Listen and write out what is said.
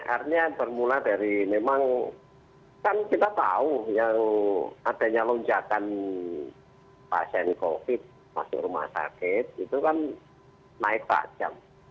artinya bermula dari memang kan kita tahu yang adanya lonjakan pasien covid masuk rumah sakit itu kan naik tajam